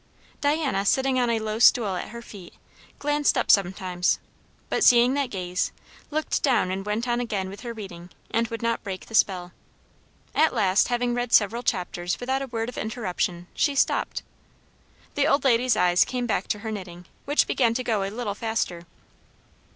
Diana, sitting on a low seat at her feet, glanced up sometimes; but seeing that gaze, looked down and went on again with her reading and would not break the spell. At last, having read several chapters without a word of interruption, she stopped. The old lady's eyes came back to her knitting, which began to go a little faster.